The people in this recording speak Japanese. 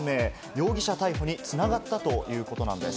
容疑者逮捕に繋がったということなんです。